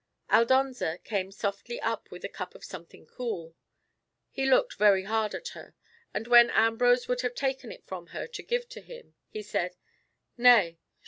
Aldonza came softly up with a cup of something cool. He looked very hard at her, and when Ambrose would have taken it from her hand to give it to him, he said, "Nay!